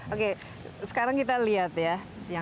oke sekarang kita lihat ya